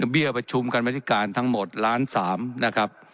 เบี้ยประชุมกรรมธิการทั้งหมดล้านสามนะครับ